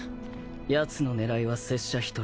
やつの狙いは拙者一人。